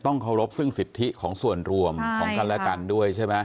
เคารพซึ่งสิทธิของส่วนรวมของกันและกันด้วยใช่ไหม